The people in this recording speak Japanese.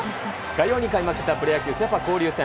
火曜に開幕したプロ野球セ・パ交流戦。